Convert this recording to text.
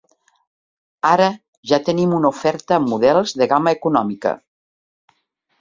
Ara ja tenim una oferta amb models de gamma econòmica.